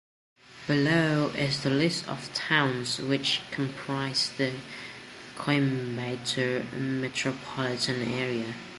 Below is the list of towns which comprise the Coimbatore Metropolitan Area.